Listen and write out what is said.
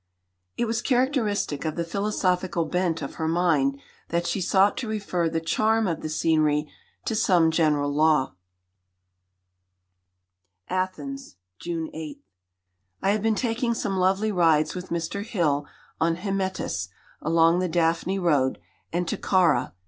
It was characteristic of the philosophical bent of her mind that she sought to refer the charm of the scenery to some general law: ATHENS, June 8. I have been taking some lovely rides with Mr. Hill on Hymettus, along the Daphne road, and to Karà.